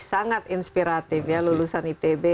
sangat inspiratif ya lulusan itb